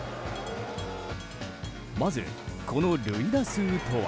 まず、この塁打数とは。